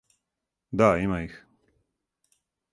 Да, има их.